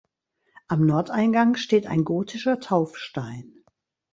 Am Nordeingang steht ein gotischer Taufstein.